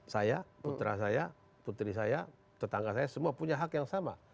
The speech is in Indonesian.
saya putra saya putri saya tetangga saya semua punya hak yang sama